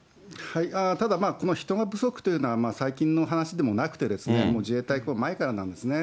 ただ、この人不足というのは最近の話でもなくて、自衛隊前からなんですね。